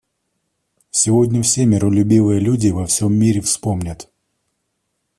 Сегодня все миролюбивые люди во всем мире вспомнят.